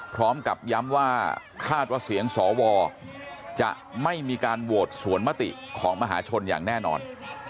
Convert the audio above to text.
พร้อมกับย้ำว่าคาดว่าเสียงสวจะไม่มีการโหวตสวนมติของมหาชนอย่างแน่นอน